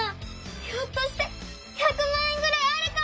ひょっとして１００まん円ぐらいあるかも！